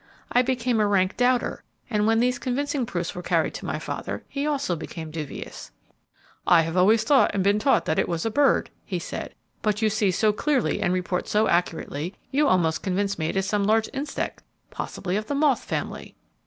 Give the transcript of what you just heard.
I became a rank doubter, and when these convincing proofs were carried to my father, he also grew dubious. "I always have thought and been taught that it was a bird," he said, "but you see so clearly and report so accurately, you almost convince me it is some large insect possibly of the moth family."